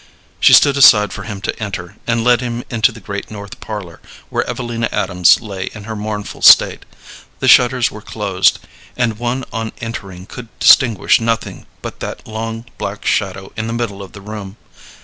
She stood aside for him to enter, and led him into the great north parlor, where Evelina Adams lay in her mournful state. The shutters were closed, and one on entering could distinguish nothing but that long black shadow in the middle of the room.